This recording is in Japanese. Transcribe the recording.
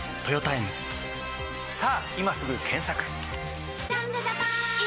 さぁ今すぐ検索！